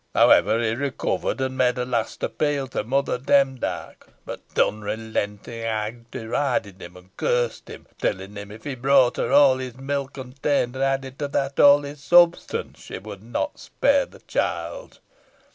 However he recovered, and made a last appeal to Mother Demdike; but the unrelenting hag derided him and cursed him, telling him if he brought her all his mill contained, and added to that all his substance, she would not spare his child.